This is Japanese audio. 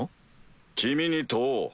君に問おう。